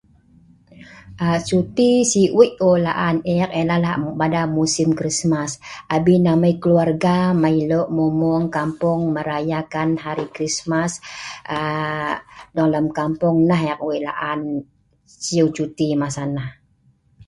Aa suti si' wei eu la'an eek ai ya'nah pada musim Krismas, abin amai keluarga mai lue' mueng mueng kampung merayakan hari krismas. Aa dong lem kampung nah eek wei la'an sieu cuti masa nah.